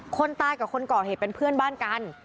คนตายกับคนก่อเหตุเป็นเพื่อนบ้านกัน